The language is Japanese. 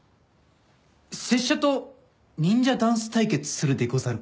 拙者と忍者ダンス対決するでござるか？